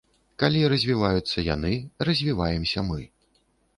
Калі развіваюцца яны, развіваемся мы.